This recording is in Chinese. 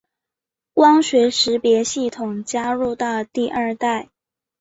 光学识别系统加入到第二代。